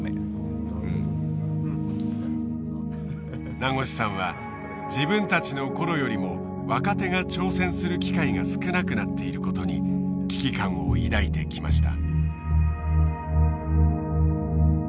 名越さんは自分たちの頃よりも若手が挑戦する機会が少なくなっていることに危機感を抱いてきました。